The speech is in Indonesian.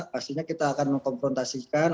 pastinya kita akan mengkonfrontasikan